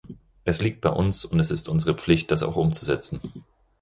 Es liegt bei uns, und es ist unsere Pflicht, das auch umzusetzen.